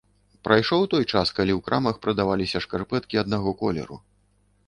Прайшоў той час, калі у крамах прадаваліся шкарпэткі аднаго колеру.